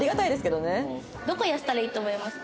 どこ痩せたらいいと思いますか？